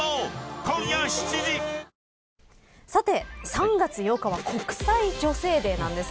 ３月８日は国際女性デーなんです。